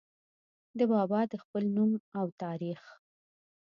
د بابا د خپل نوم او تاريخ